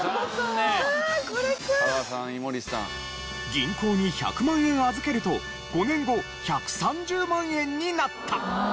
銀行に１００万円預けると５年後１３０万円になった。